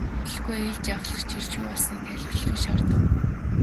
Удалгүй ээлжийн ахлагч ирж юу болсныг тайлбарлахыг шаардав.